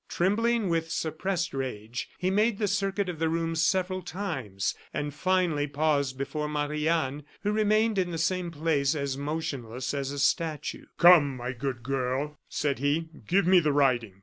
Trembling with suppressed rage, he made the circuit of the room several times, and finally paused before Marie Anne, who remained in the same place, as motionless as a statue. "Come, my good girl," said he, "give me the writing."